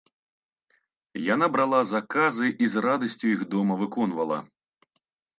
Яна брала заказы і з радасцю іх дома выконвала.